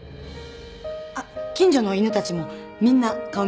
あっ近所の犬たちもみんな顔見知りで。